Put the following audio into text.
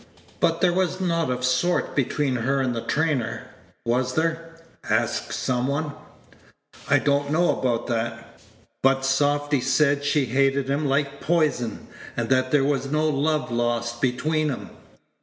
"But there was nought o' sort between her and the trainer, was there?' asked some one. "I don't know about that. But softy said she hated him like poison, and that there was no love lost between 'em."